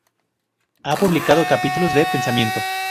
Ha publicado "Capítulos del Pensamiento".